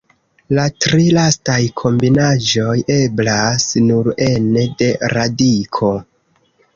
La tri lastaj kombinaĵoj eblas nur ene de radiko.